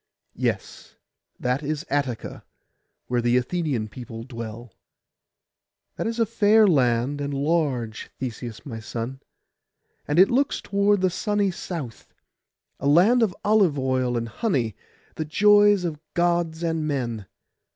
'Yes; that is Attica, where the Athenian people dwell.' [Picture: Theseus and Aithra] 'That is a fair land and large, Theseus my son; and it looks toward the sunny south; a land of olive oil and honey, the joy of Gods and men.